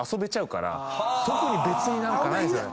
特に別にないんすよね。